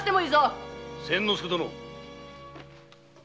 ・千之助殿。